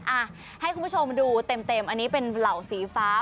อ่ะให้คุณผู้ชมดูเต็มอันนี้เป็นเหล่าสีฟ้า